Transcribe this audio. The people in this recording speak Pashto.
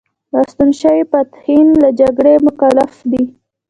راستون شوي فاتحین له جګړې مکلف دي.